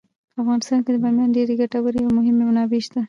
په افغانستان کې د بامیان ډیرې ګټورې او مهمې منابع شته.